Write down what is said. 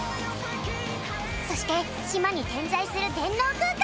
そして島に点在する電脳空間！